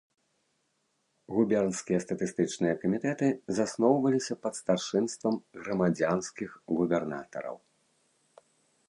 Губернскія статыстычныя камітэты засноўваліся пад старшынствам грамадзянскіх губернатараў.